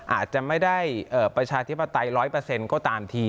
อาจจะไม่ได้ประชาธิปไตรร้อยเปอร์เซ็นต์ก็ตามที